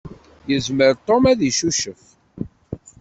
Yezmer Tom ad icucef.